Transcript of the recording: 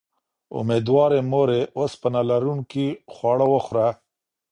اميدوارې مورې، اوسپنه لرونکي خواړه وخوره